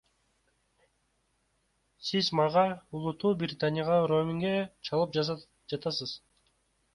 Сиз мага Улуу Британияга роумингге чалып жатасыз.